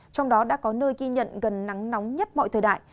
trong đó đã có nơi ghi nhận gần nắng nóng nhất mọi thời đại